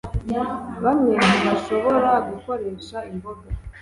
Bamwe Ntibashobora Gukoresha Imboga